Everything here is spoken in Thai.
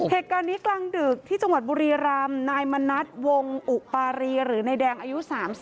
เหตุการณ์นี้กลางดึกที่จังหวัดบุรีรำนายมณัฐวงอุปารีหรือนายแดงอายุ๓๐